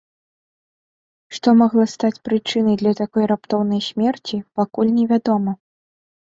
Што магла стаць прычынай для такой раптоўнай смерці, пакуль невядома.